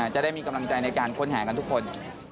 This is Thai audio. จะได้มีกำลังใจในการค้นหากันทุกคน